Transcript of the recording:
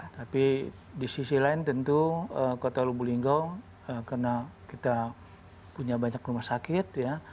tapi di sisi lain tentu kota lubu linggau karena kita punya banyak rumah sakit ya